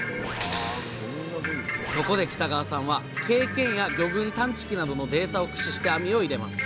そこで北川さんは経験や魚群探知機などのデータを駆使して網を入れます。